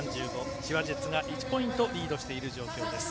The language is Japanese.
千葉ジェッツが１ポイントリードしている状況です。